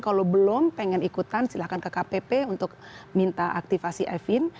kalau belum pengen ikutan silahkan ke kpp untuk minta aktivasi evin